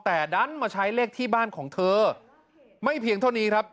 แต่ดันมาใช้เลขที่บ้านของเธอไม่เพียงเท่านี้ครับ